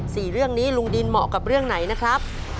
สี่เรื่องนี้ลุงดินเหมาะกับเรื่องไหนนะครับ